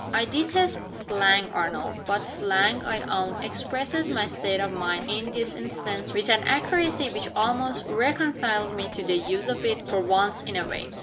"I detest slang, Arnold. But slang, I own, expresses my state of mind, in this instance, with an accuracy which almost reconciles me to the use of it for once in a way."